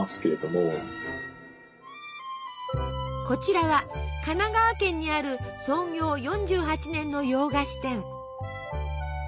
こちらは神奈川県にある創業４８年の洋菓子店。